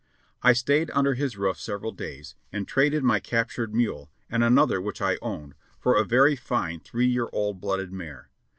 I stayed under his roof several days and traded my captured mule, and another which I owned, for a very fine three year old blooded mare.